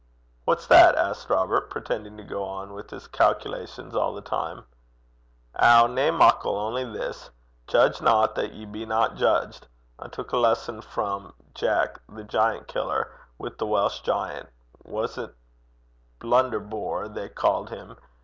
'What's that?' asked Robert, pretending to go on with his calculations all the time. 'Ow, nae muckle; only this: "Judge not, that ye be not judged." I took a lesson frae Jeck the giant killer, wi' the Welsh giant was 't Blunderbore they ca'd him?